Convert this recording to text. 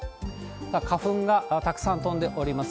さあ、花粉がたくさん飛んでおります。